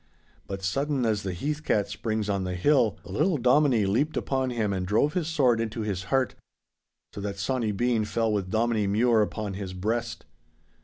But sudden as the heathcat springs on the hill, the little Dominie leaped upon him and drove his sword into his heart. So that Sawny Bean fell with Dominie Mure upon his breast.